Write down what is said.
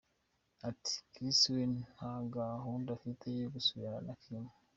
Ati :« Kris we ntagahunda afite yo gusubirana na Kim.